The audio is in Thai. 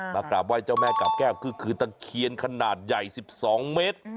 กราบไห้เจ้าแม่กาบแก้วก็คือตะเคียนขนาดใหญ่๑๒เมตร